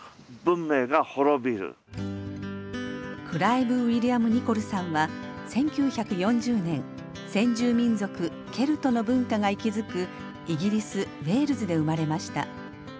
クライブ・ウィリアム・ニコルさんは１９４０年先住民族ケルトの文化が息づくイギリス・ウエールズで生まれました。